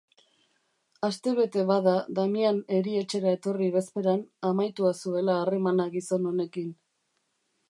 Astebete bada, Damian erietxera etorri bezperan, amaitua zuela harremana gizon honekin.